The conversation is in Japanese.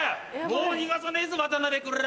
もう逃がさねえぞ渡辺こら！